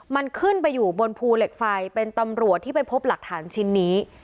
มันขึ้นไปอยู่บนภูเหล็กไฟเป็นตำรวจที่ไปพบหลักฐานชิ้นนี้